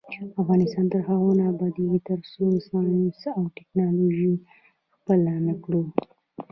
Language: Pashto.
افغانستان تر هغو نه ابادیږي، ترڅو ساینس او ټیکنالوژي خپله نکړو.